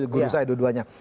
guru saya dua duanya